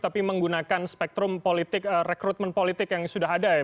tapi menggunakan spektrum politik rekrutmen politik yang sudah ada ya